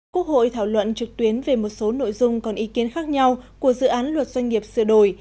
quốc hội thảo luận trực tuyến về một số nội dung còn ý kiến khác nhau của dự án luật doanh nghiệp sửa đổi